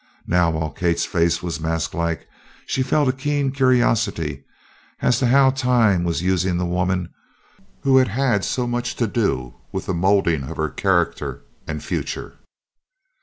Now while Kate's face was masklike she felt a keen curiosity as to how Time was using the woman who had had so much to do with the molding of her character and future.